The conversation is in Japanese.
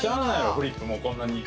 フリップもこんなに。